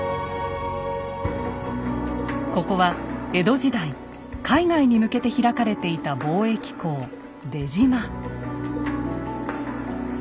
ここは江戸時代海外に向けて開かれていた貿易港出島。